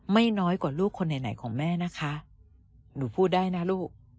น้อยกว่าลูกคนไหนของแม่นะคะหนูพูดได้นะลูก